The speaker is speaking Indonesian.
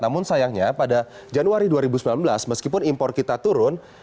namun sayangnya pada januari dua ribu sembilan belas meskipun impor kita turun